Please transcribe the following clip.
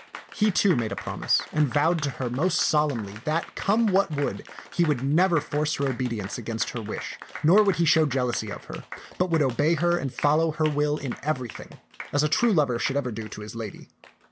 He, too, made a promise, and vowed to her most sol emnly that, come what would, he would never force her obedience against her wish, nor would he show jealousy of her, but would obey her and follow her will in everything, as a true lover should ever do to tift ^xanUirx'& tak 187 his lady.